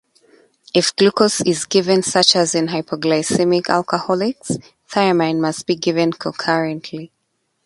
If glucose is given, such as in hypoglycaemic alcoholics, thiamine must be given concurrently.